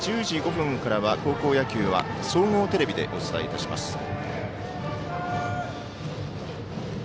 １０時５分からは高校野球は総合テレビでお伝えします。